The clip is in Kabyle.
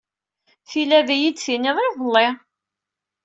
Tili ad iyi-d-tiniḍ iḍelli.